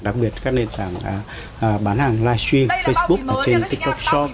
đặc biệt các nền tảng bán hàng live stream facebook trên tiktok shop